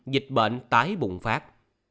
dịch bệnh tái bùng phát